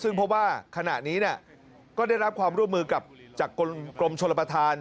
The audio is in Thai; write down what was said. ซึ่งเพราะว่าขณะนี้ก็ได้รับความร่วมมือกับจากกรมชนประธาน